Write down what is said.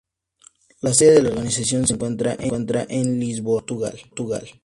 La sede de la organización se encuentra en Lisboa, Portugal.